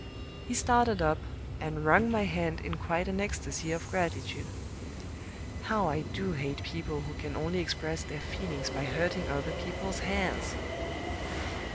He started up, and wrung my hand in quite an ecstasy of gratitude. How I do hate people who can only express their feelings by hurting other people's hands!